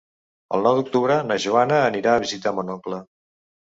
El nou d'octubre na Joana anirà a visitar mon oncle.